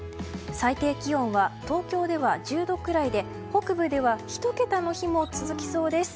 最低気温は東京では１０度くらいで北部では１桁の日も続きそうです。